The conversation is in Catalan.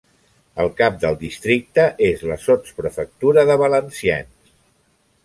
El cap del districte és la sotsprefectura de Valenciennes.